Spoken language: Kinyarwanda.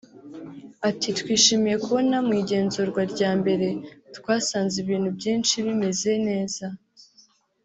Ati “Twishimiye kubona mu igenzurwa rya mbere twasanze ibintu byinshi bimeze neza